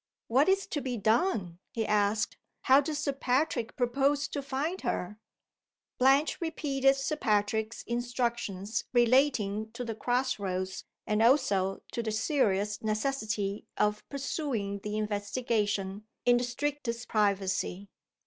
"What is to be done?" he asked. "How does Sir Patrick propose to find her?" Blanche repeated Sir Patrick's instructions relating to the crossroads, and also to the serious necessity of pursuing the investigation in the strictest privacy.